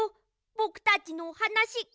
ぼくたちのおはなし。